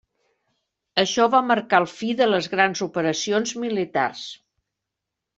Això va marcar el fi de les grans operacions militars.